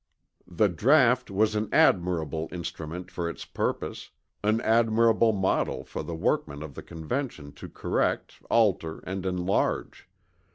The Draught was an admirable instrument for its purpose an admirable model for the workmen of the Convention to correct, alter and enlarge.